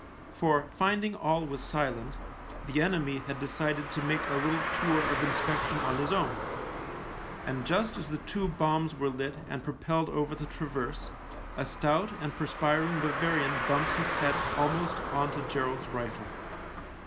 For, find ing all was silent, the enemy had decided to make a little tour of inspection on his own, and just as the two bombs were lit and pro pelled over the traverse a stout and per spiring Bavarian bumped his head almost on to Gerald's rifle.